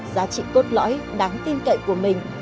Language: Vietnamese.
giá trị cốt lõi đáng tin cậy của mình